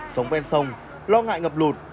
sống bên sông lo ngại ngập lụt